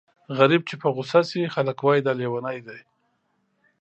غريب چې په غوسه شي خلک وايي دا لېونی دی.